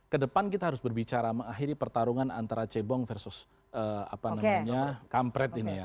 kedepan kita harus berbicara mengakhiri pertarungan antara cebong versus kampret ini ya